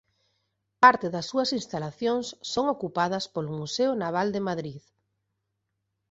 Parte das súas instalacións son ocupadas polo Museo Naval de Madrid.